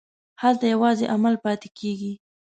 هلته یوازې عمل پاتې کېږي.